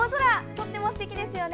とてもすてきですよね。